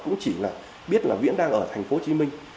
cũng chỉ là biết là viễn đang ở thành phố hồ chí minh